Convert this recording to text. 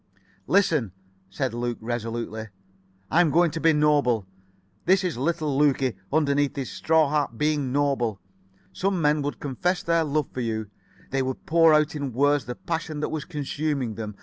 "Listen," said Luke resolutely. "I'm going to be noble. This is little Lukie, underneath his straw hat, being noble. Some men would confess their love for you. They would pour out in words the passion that was consuming them.